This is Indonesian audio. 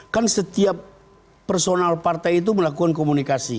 kan setiap personal partai itu melakukan komunikasi